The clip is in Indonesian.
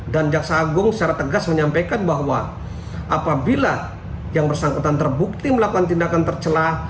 dan jaksa agung secara tegas menyampaikan bahwa apabila yang bersangkutan terbukti melakukan tindakan tercelah